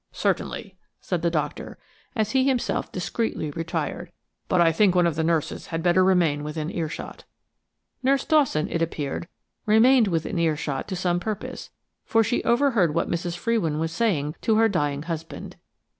"Certainly," said the doctor, as he himself discreetly retired; "but I think one of the nurses had better remain within earshot." Nurse Dawson, it appeared, remained within earshot to some purpose, for she overheard what Mrs. Frewin was saying to her dying husband.